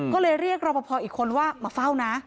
ก็เลยเรียกรอปภอีกคนว่ามาเฝ้านะ